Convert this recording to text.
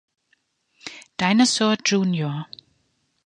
Dinosaur Jr.